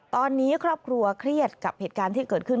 ตอนนี้ครอบครัวเครียดกับเหตุการณ์ที่เกิดขึ้น